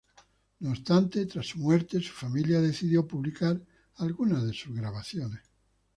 No obstante, tras su muerte, su familia decidió publicar algunas de sus grabaciones.